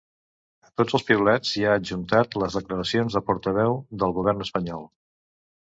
A tots els piulets hi ha adjuntat les declaracions de portaveu del govern espanyol.